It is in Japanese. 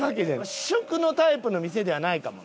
試食のタイプの店ではないかもな。